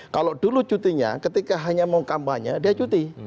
kalau dulu cutinya ketika hanya mau kampanye dia cuti